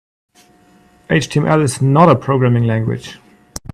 HTML is not a programming language.